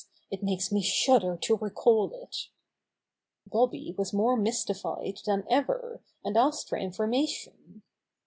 It makes me shudder to recall it." Bobby was more mystified than ever, and asked for information.